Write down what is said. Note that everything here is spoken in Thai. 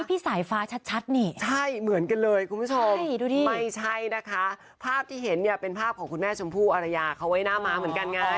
พี่สายฟ้าชัดนี่ใช่เหมือนกันเลยคุณผู้ชมไม่ใช่นะคะภาพที่เห็นเนี่ยเป็นภาพของคุณแม่ชมพู่อารยาเขาไว้หน้าม้าเหมือนกันไง